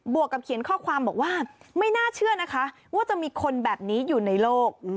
วกกับเขียนข้อความบอกว่าไม่น่าเชื่อนะคะว่าจะมีคนแบบนี้อยู่ในโลก